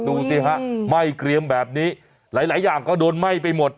ดูสิฮะไหม้เกรียมแบบนี้หลายอย่างก็โดนไหม้ไปหมด